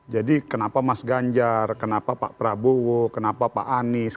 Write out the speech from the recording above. kenapa mas ganjar kenapa pak prabowo kenapa pak anies